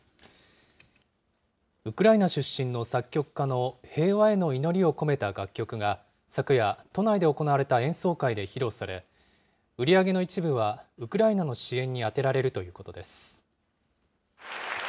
ウクライナ出身の作曲家の平和への祈りを込めた楽曲が、昨夜、都内で行われた演奏会で披露され、売り上げの一部はウクライナの支援に充てられるということです。